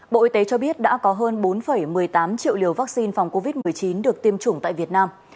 bộ y tế cho biết đã có hơn bốn một mươi tám triệu liều vaccine phòng covid một mươi chín được tiêm chủng tại việt nam